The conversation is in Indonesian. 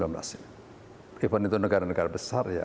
even itu negara negara besar ya